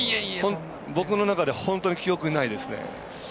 僕の中で、本当に記憶にないですね。